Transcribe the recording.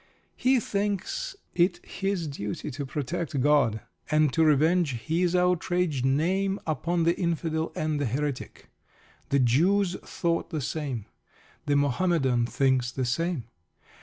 He thinks it his duty to protect God, and to revenge His outraged name upon the Infidel and the Heretic. The Jews thought the same. The Mohammedan thinks the same.